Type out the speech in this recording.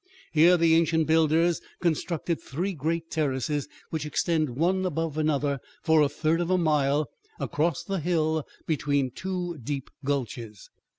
Here the ancient builders constructed three great terraces, which extend one above another for a third of a mile across the hill between two deep gulches.